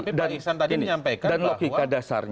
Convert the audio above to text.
tapi pak iksan tadi menyampaikan bahwa